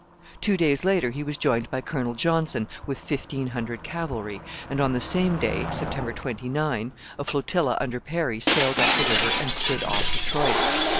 Two days later he was joined by Colonel Johnson with fifteen hundred cavalry, and on the same day (September 29) a flotilla under Perry sailed up the river and stood off Detroit.